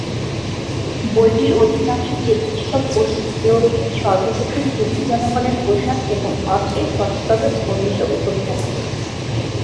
বইটির অধিকাংশ চিত্র ছিলো পশ্চিম ইউরোপে সর্বপ্রথম তুর্কি জনগণের পোশাক এবং অস্ত্রের সঠিকভাবে বর্ণিত উপস্থাপনা।